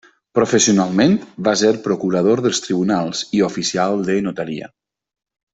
Professionalment, va ser procurador dels tribunals i oficial de notaria.